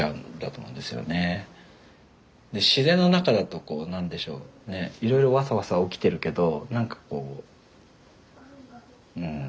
で自然の中だと何でしょうねいろいろわさわさ起きてるけど何かこううん。